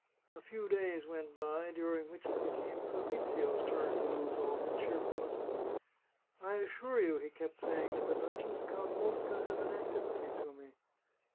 A few days went by, during which it became Fabrizio's turn to lose all his cheerfulness. " I assure you," he kept saying to the duchess, " Count Mosca has an antipathy to me."